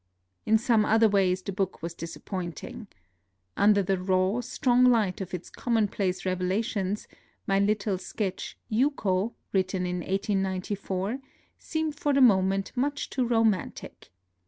In some other ways the book was disap pointing. Under the raw, strong light of its commonplace revelations, my little sketch, " Yuko," written in 1894, seemed for the mo ment much too romantic.